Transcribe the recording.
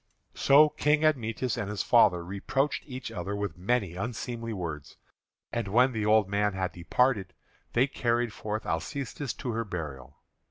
So King Admetus and his father reproached each other with many unseemly words. And when the old man had departed, they carried forth Alcestis to her burial.